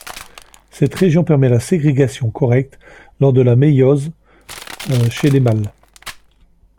Cette région permet la ségrégation correcte lors de la méiose chez les mâles.